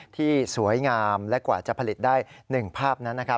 ที่สวยงามและกว่าจะผลิตได้๑ภาพนั้น